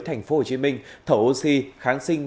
thành phố hồ chí minh thẩu oxy kháng sinh